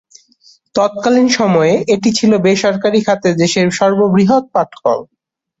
তৎকালীন সময়ে এটি ছিল বেসরকারি খাতে দেশের সর্ববৃহৎ পাটকল।